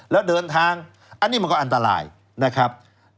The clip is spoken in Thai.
แล้วเดินทางอันนี้มันก็อันตรายนะครับ